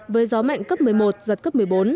với gió mạnh cấp một mươi một giật cấp một mươi bốn